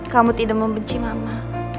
kamu tidak membenci mama